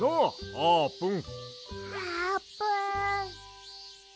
あーぷん。